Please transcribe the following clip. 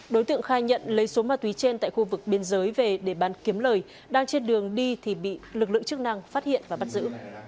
đối tượng khai nhận lấy số ma túy trên tại khu vực biên giới về để bán kiếm lời đang trên đường đi thì bị lực lượng chức năng phát hiện và bắt giữ